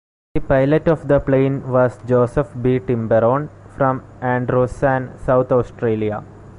The pilot of the plane was Joseph B. Timperon from Ardrossan, South Australia.